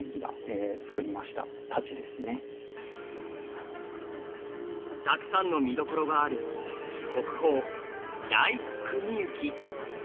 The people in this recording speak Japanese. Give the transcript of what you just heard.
たくさんのみどころがある国宝「来国行」。